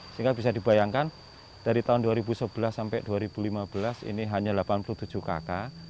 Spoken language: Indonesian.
sehingga bisa dibayangkan dari tahun dua ribu sebelas sampai dua ribu lima belas ini hanya delapan puluh tujuh kakak